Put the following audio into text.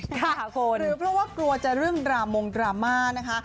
ค่ะคุณหรือเพราะว่ากลัวจะเรื่องดรามงดราม่านะคะ